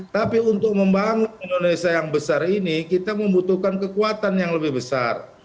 tapi untuk membangun indonesia yang besar ini kita membutuhkan kekuatan yang lebih besar